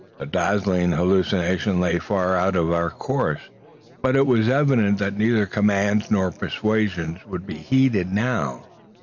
This dazzling hallucination lay far out of our course; but it was evident that neither commands nor persuasion would be heeded now.